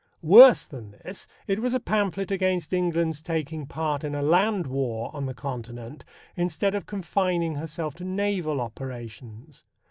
Worse than this, it was a pamphlet against England's taking part in a land war on the Continent instead of confining herself to naval operations.